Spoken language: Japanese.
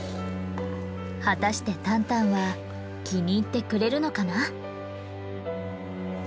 果たしてタンタンは気に入ってくれるのかな？